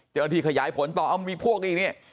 เจอที่ขยายผลต่อมีพวกอีกเนี่ย